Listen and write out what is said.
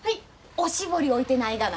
おしぼり置いてないがな。